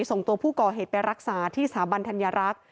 ส่งตัวผู้ก่อเหตุไปรักษาที่สถาบันธัญรักษ์